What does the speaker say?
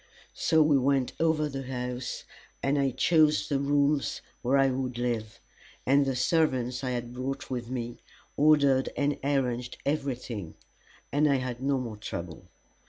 So we went over the house, and I chose the rooms where I would live; and the servants I had brought with me ordered and arranged everything, and I had no more trouble.